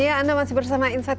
ya anda masih bersama insight